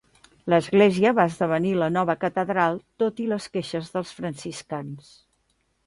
L'església va esdevenir la nova catedral, tot i les queixes dels franciscans.